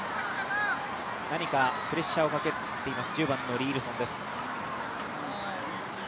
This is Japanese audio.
何かプレッシャーをかけています、１０番のリ・イルソンです。